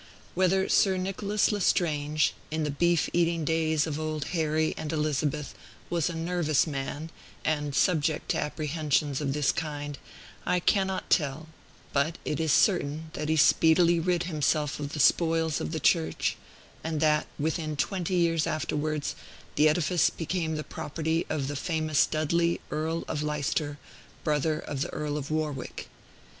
Whether Sir Nicholas Lestrange, in the beef eating days of Old Harry and Elizabeth, was a nervous man, and subject to apprehensions of this kind, I cannot tell; but it is certain that he speedily rid himself of the spoils of the Church, and that, within twenty years afterwards, the edifice became the property of the famous Dudley, Earl of Leicester, brother of the Earl of Warwick.